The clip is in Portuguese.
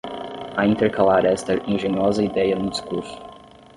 a intercalar esta engenhosa idéia no discurso